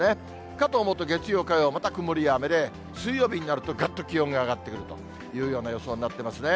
かと思うと、月曜、火曜、また曇りや雨で、水曜日になると、ぐっと気温が上がってくるというような予想になってますね。